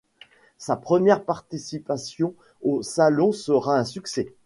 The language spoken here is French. Sa première participation au Salon sera un succès.